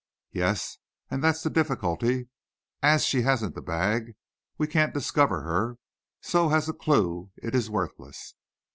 "Yes; and that's the difficulty. As she hasn't the bag, we can't discover her. So as a clue it is worthless."